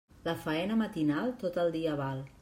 La faena matinal, tot el dia val.